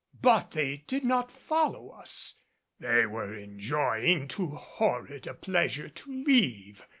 But they did not follow us; they were enjoying too horrid a pleasure to leave.